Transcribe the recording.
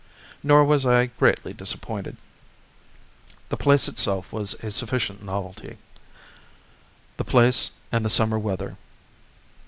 Nor was I greatly disappointed. The place itself was a sufficient novelty, the place and the summer weather.